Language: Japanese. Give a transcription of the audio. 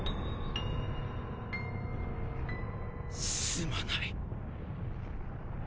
すまない。